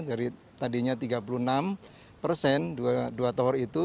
jadi tadinya tiga puluh enam persen dua tower itu